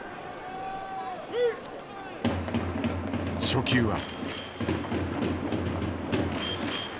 初球は。